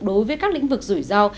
đối với các lĩnh vực rủi ro